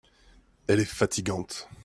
Elle est fatigante.